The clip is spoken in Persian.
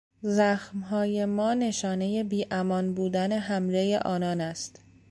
زخمهای ما نشانهی بیامان بودن حملهی آنان است.